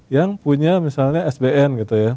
yang punya misalnya sbn gitu ya